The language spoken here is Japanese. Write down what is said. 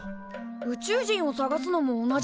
宇宙人を探すのも同じだよね。